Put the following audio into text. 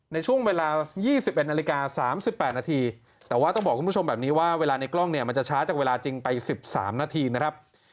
ในช่วงเวลา๒๑นาฬิกา๓๘นาทีแต่ว่าต้องบอกคุณผู้ชมแบบนี้ว่าเวลาในกล้องเนี่ยมันจะช้าจากเวลาจริงไป๑๓นาทีนะครับ